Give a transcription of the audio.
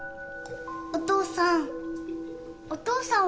お父さん。